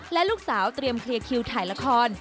และลูกสาวเตรียมเคลียร์คิวถ่ายละคร